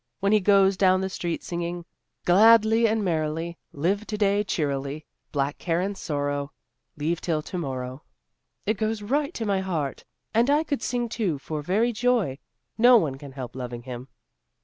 When he goes down the street singing 'Gladly and merrily Live to day cheerily, Black care and sorrow Leave till to morrow,' it goes right to my heart, and I could sing too for very joy. No one can help loving him."